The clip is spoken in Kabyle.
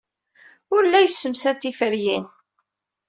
Ur la yessemsad tiferyin.